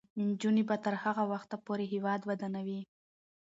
نجونې به تر هغه وخته پورې هیواد ودانوي.